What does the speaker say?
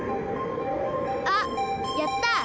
あっやった！